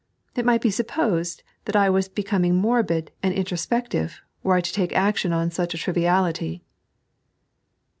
It might be supposed that I was becoming morbid and intro spective, were I to take action on such a triviality."